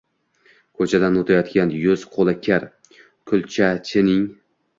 ko'chadan o'tayotgan yuz-qo'li kir kulchachining